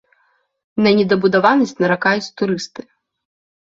На недабудаванасць наракаюць турысты.